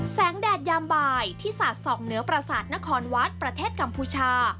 แดดยามบ่ายที่สาดส่องเหนือประสาทนครวัดประเทศกัมพูชา